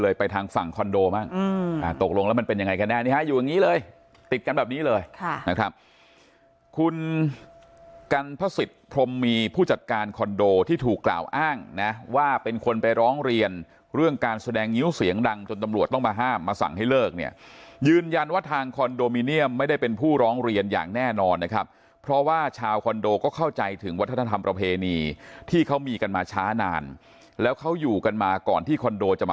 อย่างไรกันแน่อยู่อย่างนี้เลยติดกันแบบนี้เลยคุณกัลพระศิษย์พรมมีผู้จัดการคอนโดที่ถูกกล่าวอ้างนะว่าเป็นคนไปร้องเรียนเรื่องการแสดงงิ้วเสียงดังจนตำรวจต้องมาห้ามมาสั่งให้เลิกเนี่ยยืนยันว่าทางคอนโดมิเนียมไม่ได้เป็นผู้ร้องเรียนอย่างแน่นอนนะครับเพราะว่าชาวคอนโดก็เข้าใจถึงวัฒนธรรม